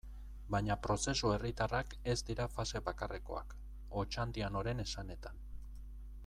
Baina prozesu herritarrak ez dira fase bakarrekoak, Otxandianoren esanetan.